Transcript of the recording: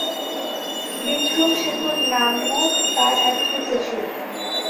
বিক্রম শেখর নামক তার এক পুত্র ছিল।